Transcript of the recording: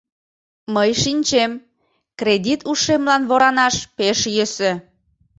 — Мый шинчем: кредит ушемлан воранаш пеш йӧсӧ.